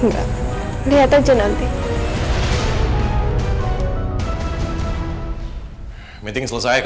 kamu gak akan bisa dapetin raja mona